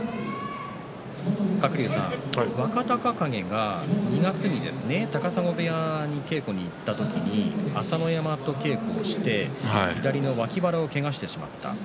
鶴竜さん、若隆景が２月に高砂部屋に稽古に行った時に朝乃山と稽古をして左の脇腹をけがしてしまった。